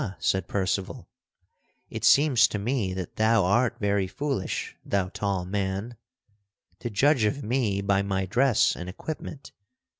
"Ha," said Percival, "it seems to me that thou art very foolish thou tall man to judge of me by my dress and equipment.